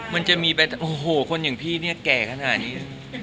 มันจะมีแบบโอ้โหคนอย่างพี่เนี่ยแก่ขนาดนี้